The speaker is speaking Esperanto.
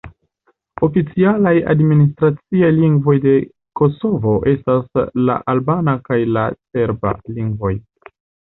Oficialaj administraciaj lingvoj de Kosovo estas la albana kaj la serba lingvoj.